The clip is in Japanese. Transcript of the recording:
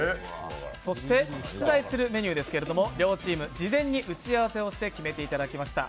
そして出題するメニューですけれども両チーム事前に打ち合わせして決めていただきました。